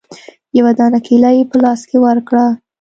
يوه دانه کېله يې په لاس کښې ورکړه.